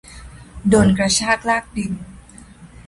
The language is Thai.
โดนกระชากลากดึง